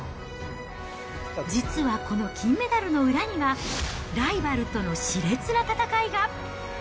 実はこの金メダルの裏には、ライバルとのしれつな戦いが。